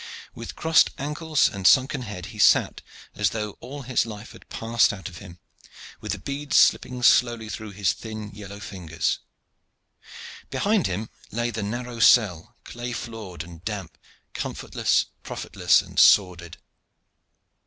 With crossed ankles and sunken head, he sat as though all his life had passed out of him, with the beads slipping slowly through his thin, yellow fingers. Behind him lay the narrow cell, clay floored and damp, comfortless, profitless and sordid.